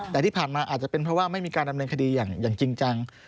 แต่ที่ผ่านมาอาจจะเป็นเพราะว่าไม่มีการดำเนินคดีอย่างจริงจัง